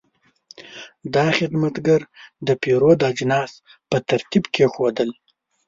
دا خدمتګر د پیرود اجناس په ترتیب کېښودل.